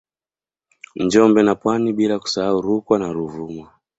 Njombe na Pwani bila kusahau Rukwa na Ruvuma